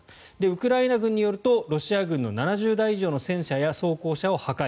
ウクライナ軍によるとロシア軍の７０台以上の戦車や装甲車を破壊。